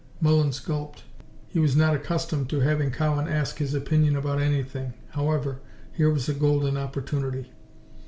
Mullins gulped. He was not accustomed to having Cowan ask his opinion about anything. However, here was a golden opportunity.